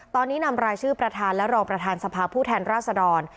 ตอนนี้นำรายชื่อประธานและรองประธานสภาผู้แทนราษดร